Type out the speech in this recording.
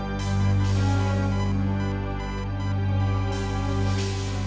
tolongin bapak saya dokter